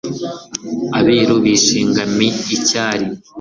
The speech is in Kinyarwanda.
abiru bishingami icyara